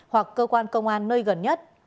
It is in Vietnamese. hoặc cơ quan công an nơi gần nhất